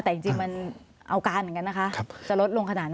แต่จริงมันเอาการเหมือนกันนะคะจะลดลงขนาดไหน